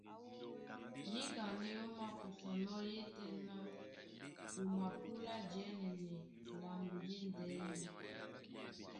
Níka ndé ó makusanɔ́, yétɛ̄ná o mapúlá jɛ́nɛnɛ lambo díndɛ̄nɛ.